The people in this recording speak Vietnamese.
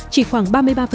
chỉ khoảng ba mươi ba